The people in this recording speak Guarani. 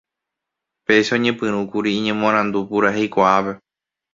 Péicha oñepyrũkuri iñemoarandu puraheikuaápe.